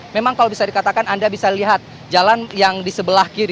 memang kalau bisa dikatakan anda bisa lihat jalan yang di sebelah kiri